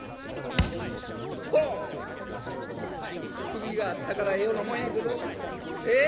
首があったからええようなもんやけどええ？